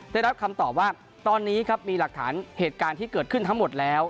ได้รับคำตอบว่าตอนนี้ครับมีหลักฐานเหตุการณ์ที่เกิดขึ้นทั้งหมดแล้ว